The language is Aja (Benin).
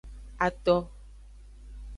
Ato.